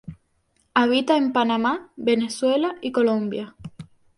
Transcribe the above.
Habita en Panamá, Venezuela y Colombia.